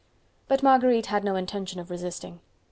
But Marguerite had no intention of resisting.